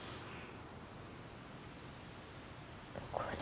これ。